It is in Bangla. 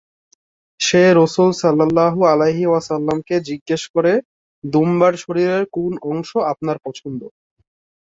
সে রাসূল সাল্লাল্লাহু আলাইহি ওয়াসাল্লাম-কে জিজ্ঞেস করে, দুম্বার শরীরের কোন অংশ আপনার পছন্দ?